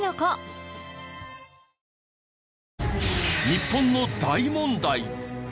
日本の大問題！